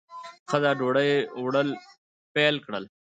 ښځه ډوډۍ وړل پیل کړل.